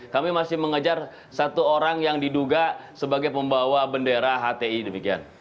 kami masih mengejar satu orang yang diduga sebagai pembawa bendera hti demikian